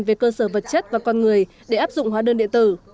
về cơ sở vật chất và con người để áp dụng hóa đơn điện tử